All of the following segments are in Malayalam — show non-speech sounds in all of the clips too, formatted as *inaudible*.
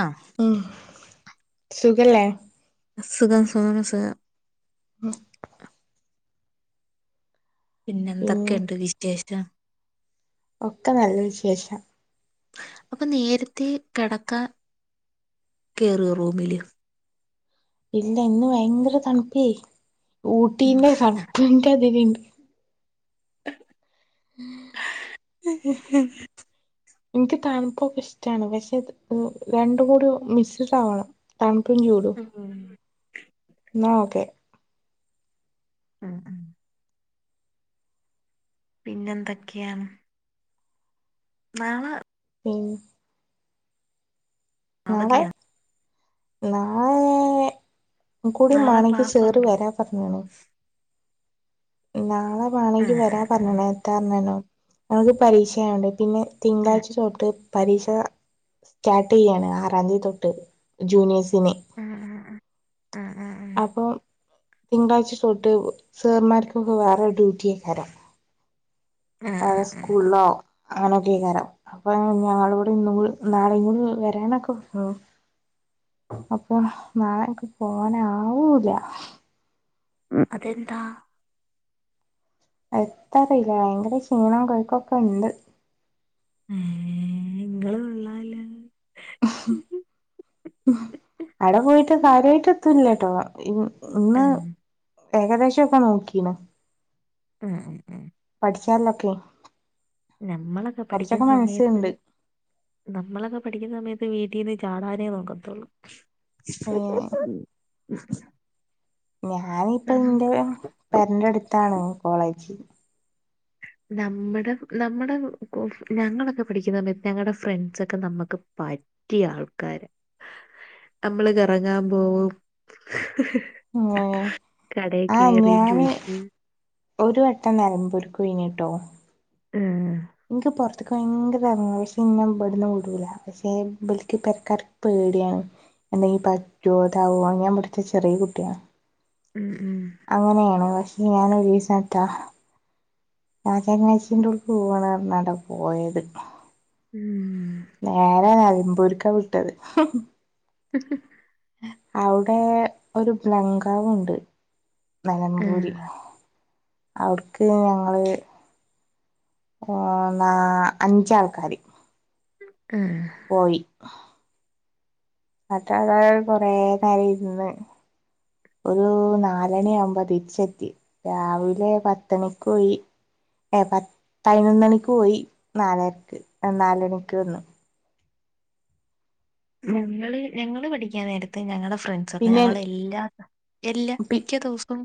ആഹ്‌ ഉം സുഖല്ലേ സുഖം സുഖം സുഖം ഉം പിന്നെ പിൻ എന്തൊക്കെയുണ്ട് വിശേഷം ഒക്കെ നല്ല വിശേഷം അപ്പൊ നേരത്തെ കെടക്കാ കേറോ റൂമില്? ഇല്ല ഇന്ന് ഭയങ്കര തണുപ്പേ ഉം ഊട്ടീന്റെ തണുപ്പിന്റെ അതിലിണ്ട് ഇൻക്ക് തണുപ്പൊക്കെ ഇഷ്ട്ടാണ് പക്ഷെ ഇത് ഒ രണ്ടും കൂടിഓ മിക്സിടാവണം തണുപ്പും ചൂടും ഊം ന്നാ ഓക്കെ ഉം ഉം പിന്നെന്തൊക്കെയാണ്? നാളെ പിന്നെ നാളെ അവധിയാ നാളേ ഉം കൂടി നാളെ മാണെങ്കി ക്ലാസ് ഉണ്ടോ സേറുവരാം പറഞ്ണ് നാളെ വാണെങ്കി ആഹ് വരാ ആഹ് പറഞ്ഞണേ എത്താന്നണോ നമുക്ക് പരീക്ഷയായോണ്ടേ പിന്നെ തിങ്കളാഴ്ച ച്ചോട്ട് പരീക്ഷ സ്റ്റാർട്ടെയാണ് ആറാന്തി തൊട്ട് ജൂനിയേഴ്സിന് ആഹ് ആഹ് ആഹ് ആഹ് ആഹ് ആഹ് പ്പോ തിങ്കളാഴ്ച തൊട്ട് സേർമാർക്കൊക്ക വേറെ ഡ്യൂട്ടിയേക്കാരം ആഹ് ആഹ് ആഹ്. കൂളിലോ അങ്ങനോക്കെക്കാരം അപ്പൊ ഞങ്ങളിവിട ഇന്നും കൂടി നാളേം കൂടി വരാനൊക്ക അപ്പൊ നാളെ എനക്ക് പോവാനാവൂല മ്മ് അതെന്താ? എത്താറീല്ല ഭയങ്കര ക്ഷീണം കൊഴക്കൊക്കണ്ട് ഉം ഏഹ് ഇങ്ങള് കൊള്ളാലോ അട പോയിട്ട് കാര്യായിട്ട് എത്തൂലേട്ടൊ ഇന്ന് ഉം ഏകദേശോക്ക നോക്കീണ് ഉം ഉം ഉം പഠിക്കാന്ള്ളൊക്കെ ഞമ്മളൊക്കെ പഠിക്കുന്ന സമയത്ത് മനസ്സിലുണ്ട് നമ്മളൊക്ക പഠിക്കുന്ന സമയത്ത് വീട്ടീന്ന് ചാടാനേ നോക്കത്തൊള്ളു ഏ *unintelligible* ഞാനിപ്പ ഇന്റെ പെരെന്റെ അടുത്താണ് കോളേജ് നമ്മട നമ്മട ഞങ്ങളൊക്ക പഠിക്കുന്ന സമയത്ത് ഞങ്ങട ഫ്രണ്ട്സൊക്കെ നമുക്ക് പ റ്റിയ ആൾക്കാരാ നമ്മള് കറങ്ങാൻ പോവും ഏഹ് കടയിൽ ആഹ് കയറി ഞാന് ജ്യൂസ് ഒരു വട്ടം നെലമ്പൂർക്ക് പോയിനീട്ടൊ ഉം ഇനിക്ക് പൊറത്തെക്ക് ഭയങ്കര ഏറങ്ങണം. പക്ഷേ ഇന്നെ ഇവിടെന്ന് വിടൂല പക്ഷേ ഇബൽക്ക് പെരക്കാർക്ക് പേടിയാണ് എന്തെങ്കി പറ്റോ ഇതാവോ ഞാൻ ഇവിട്ത്തെ ചെറിയ കുട്ടിയാണ് ഉം ഉം അങ്ങനെയാണ് പക്ഷെ ഞാൻ ഒരീസാറ്റ നാരായണീച്ചിന്റോട്ക്ക് പോവാന്ന് പറഞ്ഞാണ്ടാ പോയത് ഉം നേരെ നെലമ്പൂർക്കാ വിട്ടത് *unintelligible* അവിടെ ഒരു ബ്ലംഗാവുണ്ട് ആ നെലമ്പൂര് അവിട്ക്ക് ഞങ്ങള് ആഹ് നാ അഞ്ച് ആൾക്കാര് ആഹ പോയി ഇന്നിട്ട് അവടെ കുറേനേരം ഇരുന്ന് ഒരു നാലണി ആവ്മ്പോ തിരിച്ചെത്തി രാവിലെ പത്തണിക്ക് പോയി പത്ത് പയിനൊന്ന് മണിക്ക് പോയി നാലരക്ക് നാല് മണിക്ക് വന്നു ഞങ്ങള് ഞങ്ങള് പഠിക്കാൻ നേരത്ത് ഞങ്ങടെ ഫ്രണ്ട്സ് സ്സൊക്കെ പിന്നെ ഞങ്ങൾ എല്ലാ എല്ല പി മിക്ക ദിവസവും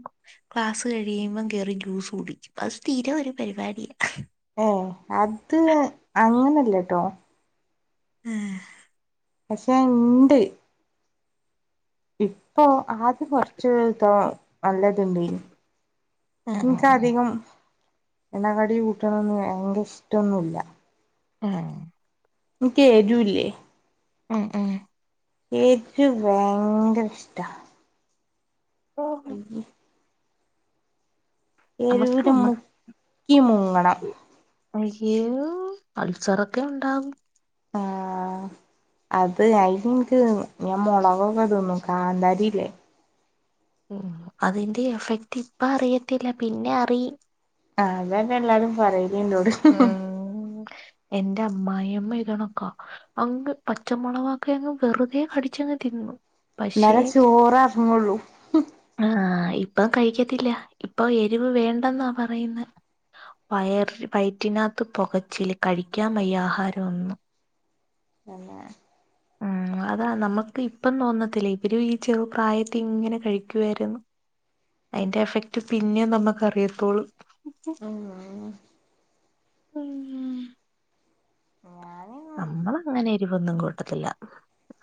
ക്ലാസ് കഴിയുമ്പം കയറി ജ്യൂസ് കുടിക്കും അത് സ്ഥിരം ഒരു പരിപാടിയ ഏ അത് അങ്ങനല്ലട്ടോ ആഹ പക്ഷെ ഇണ്ട് ഇപ്പൊ ആദ്യം കൊറച്ച് തൊ നല്ലത്ണ്ടേനി ഉം, ഇനിക്ക് ഉം, അധികം എണ്ണ കടി കൂട്ടണൊന്നും ഭയങ്കര ഇഷ്ടൊന്നുമല്ല ആഹ ഇൻക്കെ എരുല്ലേ? ഏഹ്ഏഹ് എരു വെയങ്കരഷ്ടാ അ ഉം. *inaudible* എരൂല് മുക്കി മുങ്ങണം അയ്യേ അൾസറൊക്കെ ഉണ്ടാകും. ആഹ് അത് അയിനിൻക്ക് ഞാ മൊളകൊക്കെ തിന്നും. കാന്താരിയില്ലേ ഉം അതിന്റെ എഫക്ട് ഇപ്പ അറിയത്തില്ല പിന്നെ അറിയും ആഹ് അതന്നെല്ലാരും പറയല്ന്നോട് ഉം. എന്റെ അമ്മായിയമ്മ എഴ്ത്‌ണ കാ അങ്ങ് പച്ചമുളകൊക്കെ അങ്ങ് വെറുതെ കടിച്ചങ്ങ് തിന്നും പക്ഷേ ഇന്നാലെ ചോറ് എറങ്ങൊള്ളൂ ആഹ്. ഇപ്പൊ കഴിക്കത്തില്ല. ഇപ്പൊ എരിവ് വേണ്ടെന്നാ പറയുന്നെ വയ *unintelligible* വയറ്റിനാത്ത് പൊകച്ചില് കഴിക്കാൻമയ്യ ആഹാര ഒന്നും. തെന്നേ ഉം ഉം അതാണ്. നമ്മക്ക് ഇപ്പം തോന്നത്തില്ല. ഇവ് ര് ഈ ചെറുപ്രായത്തി ങ്ങനെ കഴിക്കുവായിര്ന്ന് അയിന്റെ എഫക്ട് പിന്നെ നമക്ക് അറിയത്തൊള്ളൂ. ആഹ് ഉം ഞാന് അമ്മള് അങ്ങനെ എരിവൊന്നും കൂട്ടത്തില്ല.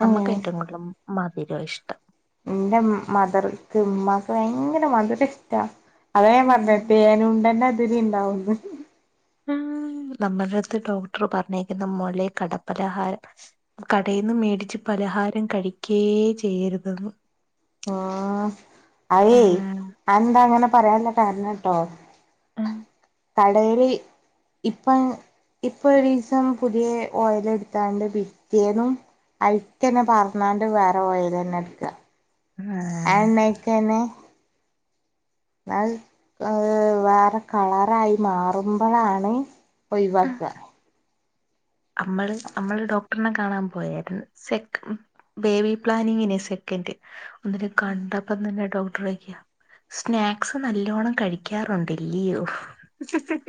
അമ്മക്ക് ഉം ഏറ്റവും കൂട് തല് മധുര ഇഷ്ടം. ന്റെ മ് മതറ്ക്ക്, മ്മാക്ക് വയെങ്കര മധുര ഇഷ്ടാ അതേ ഉം. ഞാപർഞ്ഞെ തേനുണ്ടന്റെ തിരി ണ്ടാവുന്ന്. നമ്മടേട്ത്ത് ഡോക്ടർ പറഞ്ഞേക്ക് ന്നെ *unintelligible* കടപ്പലഹാരം കടേയ്ന്ന് മേടിച്ച് പലഹാരം കഴിക്കേ ചെയ്യര്തെന്ന്. ആഹ്. അഅ് യ്യെ ആഹ് അന്താ അങ്ങനെ പറയാൻള്ള കാരണം ട്ടോ കടേല് ഇപ്പം ഇപ്പൊരീസം പുതിയ ഓയല് എട്ത്താണ്ട് പിറ്റ്യേന്നും അയ്‌ക്കെന്നെ പാർന്നാണ്ട് വേറെ ഓയലെന്നെ ട്ക്കാ. ആ ആഹ് എണ്ണേ ക്കെന്നെ *unintelligible* അഅ് വാറെ കളറായി മാറുമ്പളാണ് ഒയ് വാക്കാ അമ്മള് അമ്മള് ഡോക്ടർനെ കാണാ പോയേര്ന്ന് സെക്ക് ബേബി പ്ലാനിങ്ങിനെ സെക്കൻ്റ്. ഒന്നി കണ്ടപ്പം തന്നെ ഡോക്ടറോയ്ക്കാ സ്നാക്സ് നല്ലോണം കഴിക്കാറുണ്ട് ല്യോ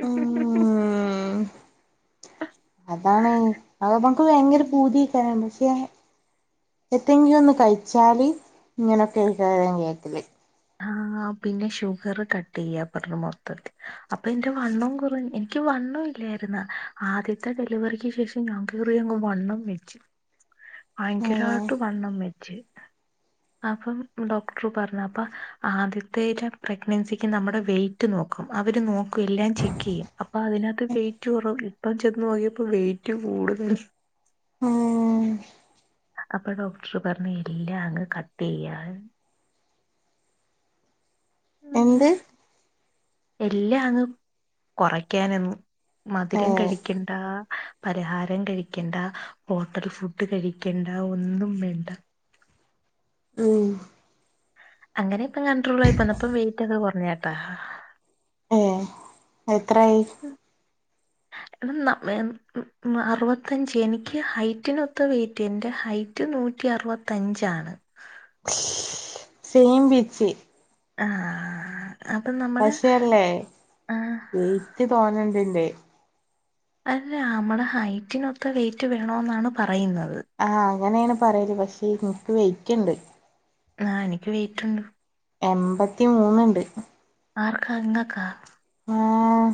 ഉം അതാണ് അത് *unintelligible* ഭയങ്കര പൂതിയേകാരം പക്ഷെ എത്തീങ്കിലൊന്ന് കയിച്ചാല് ങ്ങനൊക്കേക്കാരം കേക്കല് ആഹ്. പിന്നെ ഷുഗറ് കട്ടെയ്യാ പർഞ്ഞു മൊത്തത്തി അപ്പൊ ന്റെ വണ്ണം കൊറഞ്ഞ് എ ക്ക് വണ്ണം ഇല്ലായിരുന്ന്. ആദ്യത്തെ ഡെലിവറിക്ക് ശേഷം ഞാൻ കേറിയങ്ങ് വണ്ണം വെച്ച് ആഹ് ഭയങ്കരാട്ട് വണ്ണം വെച്ച്. അപ്പം ഡോക്ടർ പർഞ്ഞ പ്പ ആദ്യത്തെ *unintelligible* പ്രഗ്നൻസിക്ക് നമ്മടെ വെയ്റ്റ് നോക്കും. അവര് നോ എല്ലാം ചെക്കെയ്യും. അപ്പൊ അതിനകത്ത് വെയിറ്റ് കൊറവ്. ഇപ്പം ചെന്ന് നോക്കിയപ്പോ വെയിറ്റ് കൂടുതല് ഏഹ് അപ്പൊ ഡോക്ടർ പർഞ്ഞ് എല്ലാം അങ്ങ് കട്ട് ചെയ്യാൻ എന്ത്? എല്ലാ അങ്ങ് കൊറക്കാനന്ന് മധുരം ഏഹ് കഴിക്കാണ്ടാ പരഹാരം കഴിക്കണ്ട, ഹോട്ടൽ ഫുഡ് കഴിക്കണ്ട, ഒന്നും വേണ്ട ഉം അങ്ങനെ ഇപ്പം കൺണ്ട്രോൾ ആയി പന്നപ്പം വെയ്റ്റൊക്കെ കൊർ ഞ്ഞെട്ടാ ഏഹ് എത്രായി? ഉ *inaudible* എടാ ന അറുവത്തഞ്ച് എനിക്ക് ഹൈറ്റിനൊത്ത വെയിറ്റ്. എന്റെ ഹൈ നൂറ്റി അറുവത്തഞ്ചാണ് സെയിം പിച്ച് ആഹ് അത് നമ്മടെ പക്ഷേല്ലേ വെയിറ്റ് തോനെണ്ട് ഇന്റെ അല്ല അമ്മടെ ഹൈറ്റിനൊത്ത വെയിറ്റ് വേണോന്നാണ് പറയുന്നത്. ആഹ് അങ്ങനെയാണ് പറയല് പക്ഷേ ഇൻക് വെയിറ്റ്ണ്ട്. ആഹ്. എനിക്ക് വെയ്റ്റ്ണ്ട് എമ്പത്തി മൂന്നുണ്ട് ആർക്കാ ഇങ്ങക്കാ? ആഹ്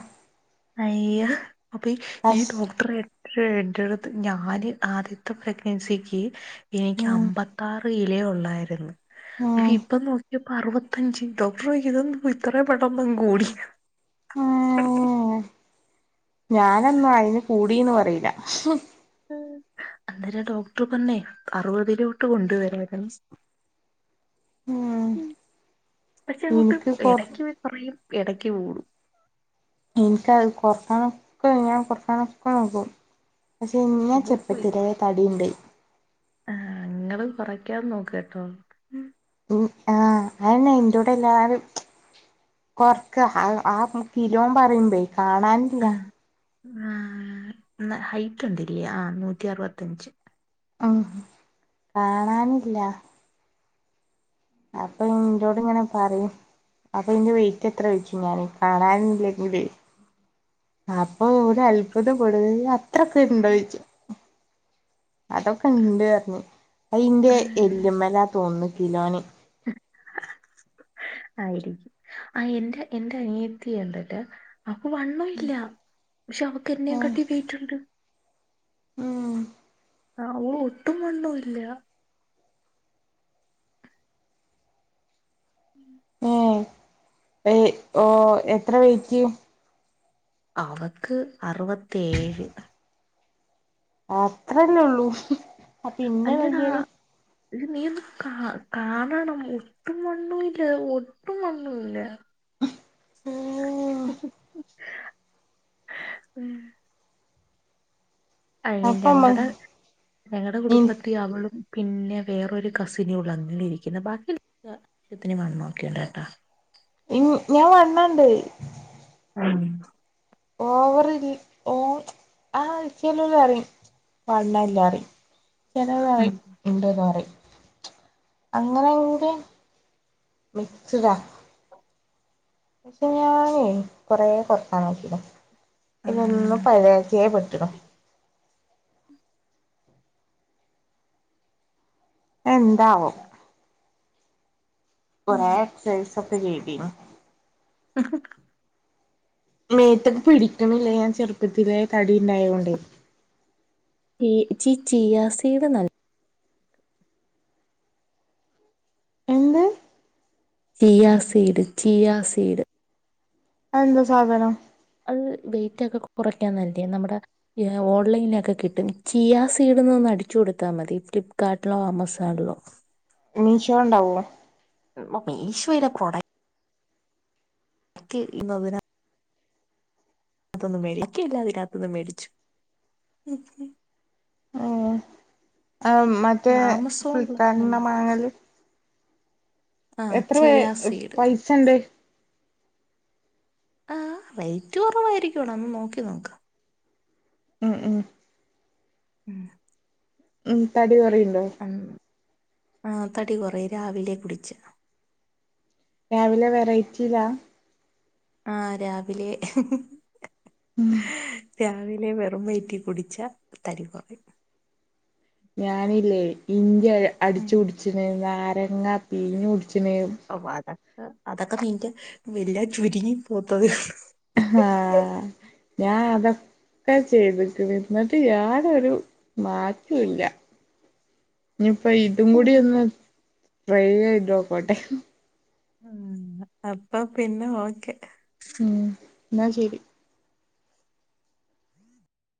അയ്യോ അപ്പ ഈ പഷ് ഡോക്ടറെ ഏറ്റടുത്ത് ഞാന് ആദ്യത്തെ പ്രഗ്നൻസിക്ക് എനിക്ക് ഉം അമ്പത്താറ്. ഏ ലെ ഉള്ളായിരുന്നു ഉം ഇപ്പൊ നോക്ക അറുവത്തഞ്ച് ഡോക്ടർ ചോയ്ക്കാ ഇതെന്ത് ഇത്രയും പെട്ടന്ന് അങ്ങട് കൂട്യോ ഉം ഞാനൊന്നും അയ്ന് കൂടിന്ന് പറയൂല അന്നേരം ഡോക്ടർ പറഞ്ഞേ അറുപതിലോട്ട് കൊണ്ടുവരാർന്നു. ഉം പക്ഷേ അങ്ങോട്ട് ഇനിക്ക് കൊർ എടയ്ക്ക് വെയ് കുറയും എടയ്ക്ക് കൂടും. എനിക്കത് കൊറക്കണം. ക്കെ ഞാനത് കൊറക്കാനൊക്ക നോക്കും പക്ഷേ ഞാൻ അപ്പൊ ചെറുപ്പത്തിലേ തടിയ്ണ്ട് ആഹ് ഇങ്ങള് കൊറക്കാൻ നോക്ക് ട്ടോ ഉ ആഹ് അയന്നെ ഇന്റോടെ എല്ലാരും കൊറക്കാ ആഹ് ആഹ് കിലോം പറയുമ്പേ കാണാനില്ല ആഹ് ന്നാ ഹൈറ്റ് ഉണ്ട്ല്ല്യേ? ആഹ് നൂറ്റി അറുവത്തിഞ്ച് ഉം കാണാനില്ല അപ്പഴും ഇന്റോട്ങ്ങനെ പറയും അത് കഴ്ഞ്ഞ് വെയിറ്റ് എത്രോയ്ക്കും ഞാനേ കാണാനില്ലെങ്കില് അപ്പോ ഓര് അത്ഭുതപ്പെടും യ്യ് അത്രോക്കെണ്ടോ ചോയ്ച്ചും അതൊക്കെണ്ട് പറഞ്ഞ് അത് ഇന്റെ എല്ലുമലാ തോന്നുന്നു കിലോന് ആയിരിക്കും ആഹ് എന്റെ എന്റെ അനിയത്തിയിണ്ട് ട്ടോ ആഹ് വണ്ണം ഇല്ല പക്ഷേ അവക്ക് ഉം എന്നെകാട്ടി വെയിറ്റ്ണ്ട് ഉം ആഹ് ഓ ഒട്ടും വെള്ളം ഇല്ല. ഉം ഏഹ് ഏഹ് ഓ എത്ര വെയിറ്റ് അവക്ക് അറുപത്തേഴ് ആത്രയെല്ലാഉള്ളൂ അല്ലടാ ഇത് നീ ഒന്ന് കാ കാണണം ഒട്ടുംമണ്ണൂല്ല ല്ല ഒട്ടും മണ്ണൂല്ല ഉം ഉം *inaudible* അയ് അപ്പൊ ഇമ്മ ഞങ്ങളുടെ ഞങ്ങളുടെ ഇൻ കുടുംബ അവളും പിന്നെ വേറൊരു കസിനേ ഉള്ളൂ അങ്ങനെ ഇരിക്കുന്നെ ബാക്കി എല്ലാ ആശ്യത്തിന് വണ്ണം ഒക്കെ ഉണ്ട് കേട്ടാ ഞാൻ വണ്ണണ്ട് ആ ഓവറിൽ ഓ ആഹ് എച്ച് നല്ലോലെ അറിയും വണ്ണല്ലാറിയും ഉം ചെലോല്റയും ഉണ്ടന്ന് പറയും അങ്ങനെങ്കി മിക്സ്ഡാ പക്ഷെ ഞാനെ കൊറേ കൊറക്കാൻ നോക്കീതാ ഇതൊന്ന് പഴയാക്കിയേ പറ്റണം. *inaudible* എന്താവും കൊറേ എക്‌സൈസൊക്കെ ചെയ്തീനു ഉഹും മേത്തക്ക് പിടിക്കണില്ല ഞാൻ ചെറുപ്പത്തില തടി ഉണ്ടായോണ്ട് ഈഹ് ചി ചിയാസീഡ് നൽ എന്ത് ചിയ സീഡ് ചിയ സീഡ് അത് എന്താ സാധനം അത് വെയിറ്റ് ഒക്കെ കുറയ്ക്കാൻ വരില്ലേ നമ്മുടെ ഓൺലൈനിലൊക്കെ കിട്ടും ചിയാ സീഡുന്ന് ഒന്ന് അടിച്ച് കൊടുത്താ മതി ഫ്ലിപ്കാർട്ടിലോ ആമസോണിലോ മീഷോ ഉണ്ടാവുവോ ഉം മ മീശോയിലെ പ്രൊഡ ക്ക് ഈഹ് *unintelligible* ഇങ്ങൻത്തൊന്നും മേടി അക്കിയില്ല വരാത്തത് മേടിച്ചു ഉം ഉം ഏഹ് മറ്റേ ഫ്ലിപ്കാ *unintelligible* ആമസോണിലൊക്കെല്ല ർട്ടീന്ന വാങ്ങല് ആഹ് എത്ര വേ ചിയാ സീഡ് പൈസ ഒണ്ട് ആഹ് റേറ്റ് കൊറവായിരിക്കൂടാ ഒന്ന് നോക്കി നോക്ക് ഏഹ് ഏഹ് ഉം ഉം തടി കൊറിണ്ടോ ഉം ആഹ് തടി കൊറയും രാവിലെ കുടിച്ച രാവിലെ വെറൈറ്റിയിലാ ആഹ് രാവിലെ ഉം രാവിലെ വെറും വയറ്റിൽ കുടിച്ച തടി കൊറയും ഞാനില്ലേ ഇഞ്ചി ഉം അടിച്ചു കുടിച്ചിന് നാരങ്ങ പീഞ്ഞു കുടിച്ചിന് ഓഹ് അതൊക്കെ നിന്റെ എല്ലാം ചുരുങ്ങി പോത്തതെയുള്ളൂ ആഹ് ഞാൻ അതൊകെ ഒക്കെ ചെയ്തിക്ക്‌ണ് ഇന്നിട്ട് ഞാനൊരു മറ്റോല്ല ഇഞ്ഞിപ്പ ഇതും കൂടി ഉം ഒന്ന് ട്രൈ ചെയ്തോക്കട്ടെ ഉം അപ്പ പിന്നെ ഓക്കെ ഉം ന്നാ ശരി